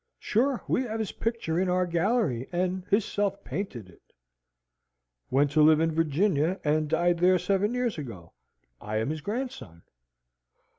Sure we have his picture in our gallery, and hisself painted it." "Went to live in Virginia, and died there seven years ago, and I am his grandson."